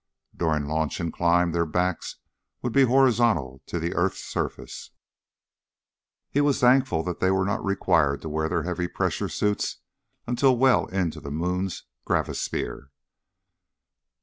During launch and climb their backs would be horizontal to the earth's surface. He was thankful they were not required to wear their heavy pressure suits until well into the moon's gravisphere.